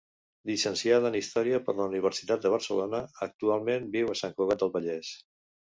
Llicenciada en Història per la Universitat de Barcelona, actualment viu a Sant Cugat del Vallès.